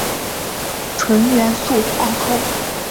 纯元肃皇后。